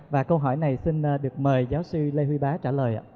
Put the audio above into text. và câu hỏi này xin được mời giáo sư lê huy bá trả lời ạ